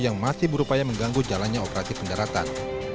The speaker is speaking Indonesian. yang masih berupaya mengganggu jalannya operasi pendaratan